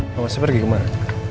mama masih pergi kemana